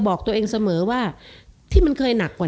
บวกกับบวก